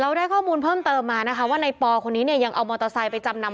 ได้ข้อมูลเพิ่มเติมมานะคะว่าในปอคนนี้เนี่ยยังเอามอเตอร์ไซค์ไปจำนำ